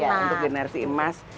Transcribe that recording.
iya untuk generasi emas